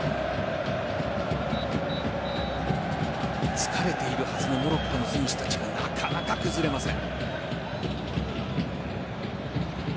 疲れているはずのモロッコの選手たちがなかなか崩れません。